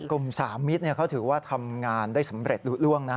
กลุ่มสามิตเขาถือว่าทำงานได้สำเร็จร่วงนะ